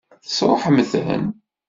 Tesṛuḥem-ten?